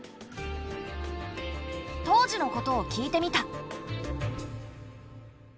当時のことを聞いてみた。